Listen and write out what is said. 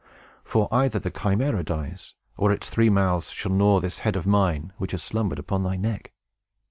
For either the Chimæra dies, or its three mouths shall gnaw this head of mine, which has slumbered upon thy neck!"